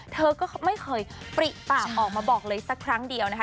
เธอก็ไม่เคยปริปากออกมาบอกเลยสักครั้งเดียวนะคะ